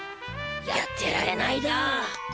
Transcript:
やってられないだ。